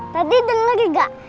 tadi denger gak